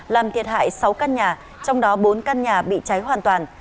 làm thiệt hại sáu căn nhà trong đó bốn căn nhà bị cháy hoàn toàn